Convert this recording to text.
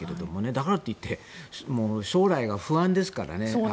だからといって将来が不安ですからね。